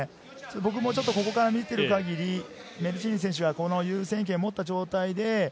僕もここから見てる限り、メルチーヌ選手が優先権を持った状態で。